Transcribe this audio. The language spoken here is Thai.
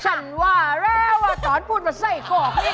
ฉันว่าแล้วตอนพูดว่าไส้กรอกนี่